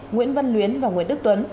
nguyễn văn luyến và nguyễn đức tuấn